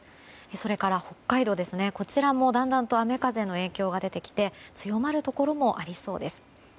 それから北海道、こちらもだんだんと雨風の影響が出てきて強まるところもありそうです。